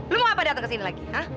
lo mau apa datang ke sini lagi